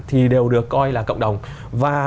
thì đều được coi là cộng đồng và